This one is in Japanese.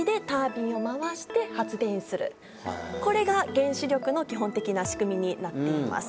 これが原子力発電の基本的な仕組みになっています。